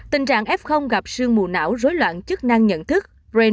tình trạng f gặp sương mù não rối loạn chức năng nhận thức